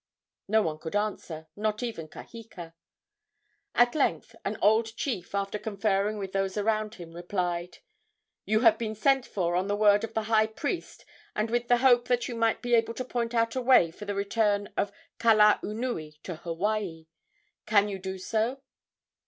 No one could answer, not even Kaheka. At length an old chief, after conferring with those around him, replied: "You have been sent for on the word of the high priest, and with the hope that you might be able to point out a way for the return of Kalaunui to Hawaii. Can you do so?"